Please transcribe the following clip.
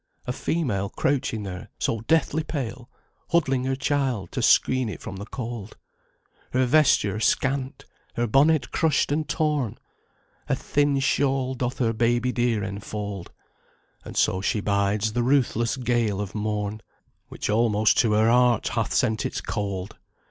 A female crouching there, so deathly pale, Huddling her child, to screen it from the cold; Her vesture scant, her bonnet crushed and torn; A thin shawl doth her baby dear enfold: And so she 'bides the ruthless gale of morn, Which almost to her heart hath sent its cold.